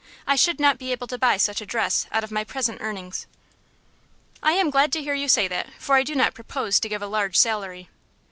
I should not be able to buy such a dress out of my present earnings." "I am glad to hear you say that, for I do not propose to give a large salary."